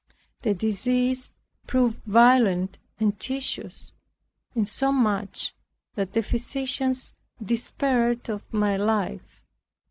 The disease proved violent and tedious, insomuch that the physicians despaired of my life.